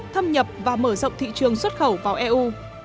thâm nhập và mở rộng thị trường xuất khẩu vào eu